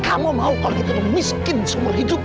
kamu mau kalau kita miskin seumur hidup